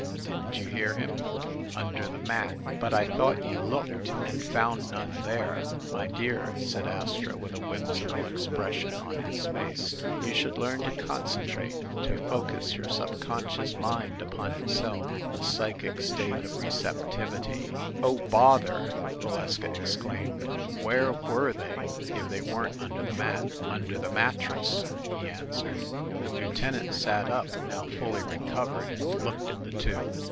Didn't you hear him?" "Under the mat? But I thought you looked and found none there." "My dear," said Astro, with a whimsical expression on his face, "you should learn to concentrate, to focus your subconscious mind upon itself. The psychic state of receptivity ‚ÄĒ " "Oh, bother!" Valeska exclaimed. "Where were they, if they weren't under the mat ?" "Under the mattress," he answered. The lieutenant sat up, now fully recovered, and looked at the two.